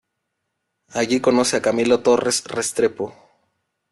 Allí conoce a Camilo Torres Restrepo.